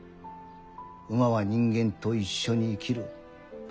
馬は人間と一緒に生きるパートナー。